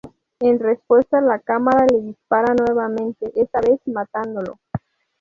En respuesta, la cámara le dispara nuevamente, esta vez matándolo.